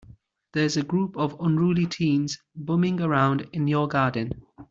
There's a group of unruly teens bumming around in your garden.